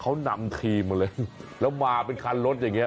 เขานำทีมมาเลยแล้วมาเป็นคันรถอย่างเงี้